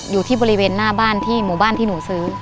อยู่ที่บริเวณหน้าบ้านที่หมู่บ้านที่หนูซื้อ